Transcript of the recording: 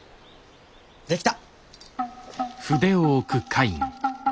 できた！